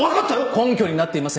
根拠になっていません。